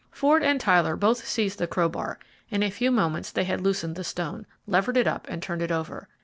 Ford and Tyler both seized the crowbar. In a few moments they had loosened the stone, levered it up, and turned it over.